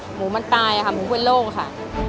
หมูมันตายค่ะหมูเป็นโล่งค่ะ